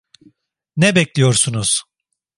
Ne bekliyorsunuz?